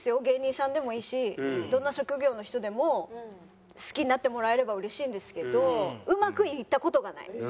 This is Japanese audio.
芸人さんでもいいしどんな職業の人でも好きになってもらえればうれしいんですけどうまくいった事がない。